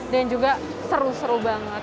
dan juga seru seru banget